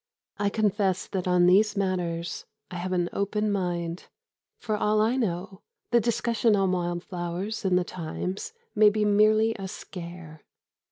I confess that on these matters I have an open mind. For all I know, the discussion on wild flowers in The Times may be merely a scare.